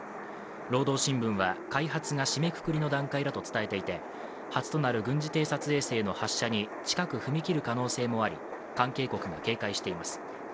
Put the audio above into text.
「労働新聞」は開発が締めくくりの段階だと伝えていて、初となる軍事偵察衛星の発射に近く踏み切る可能性もあり関係国が警戒しています。